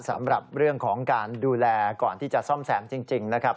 สำหรับเรื่องของการดูแลก่อนที่จะซ่อมแซมจริงนะครับ